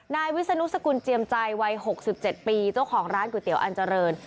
นายวิศนุสกุลเจียมใจวัย๖๗ปีเจ้าของร้านก๋วยเตี๋ยวอันเจริญ